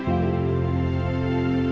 aku sudah berhasil menerima cinta